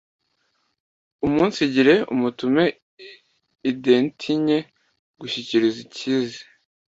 umunsigire umutime udetinye, gushyigikire icyize